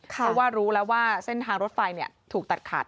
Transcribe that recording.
เพราะว่ารู้แล้วว่าเส้นทางรถไฟถูกตัดขาด